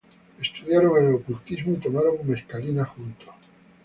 Estudiaron el ocultismo y tomaron mescalina juntos.